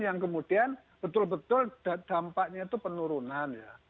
yang kemudian betul betul dampaknya itu penurunan ya